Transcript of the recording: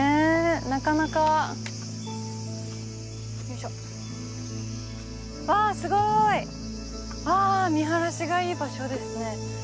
なかなかよいしょわあすごいああ見晴らしがいい場所ですね